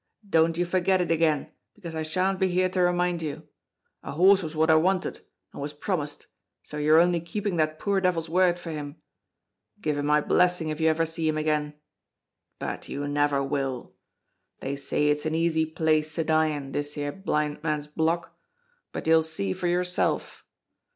Don't you forget it again, because I shan't be here to remind you; a horse was what I wanted, and was promised, so you're only keeping that poor devil's word for him. Give him my blessing if you ever see him again; but you never will. They say it's an easy place to die in, this here Blind Man's Block, but you'll see for yourself.